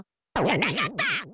じゃなかった！